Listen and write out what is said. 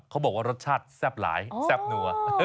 เขาบอกว่ารสชาติแซ่บหลายแซ่บนัว